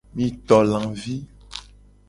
Mi to lavi.